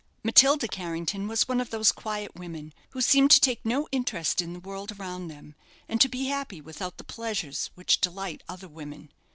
Matilda Carrington was one of those quiet women who seem to take no interest in the world around them, and to be happy without the pleasures which delight other women.